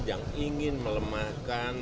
yang ingin melemahkan